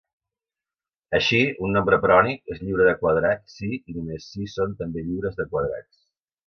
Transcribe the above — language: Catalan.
Així, un nombre prònic és lliure de quadrats si i només si i són també lliures de quadrats.